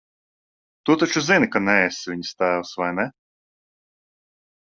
Tu taču zini, ka neesi viņas tēvs, vai ne?